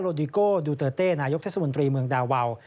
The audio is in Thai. ดิโก้ดูเตอร์เต้นายกเทศมนตรีเมืองดาวาว